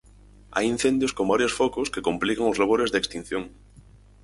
Hai incendios con varios focos que complican os labores de extinción.